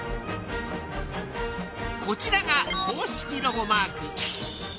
こちらが公式ロゴマーク。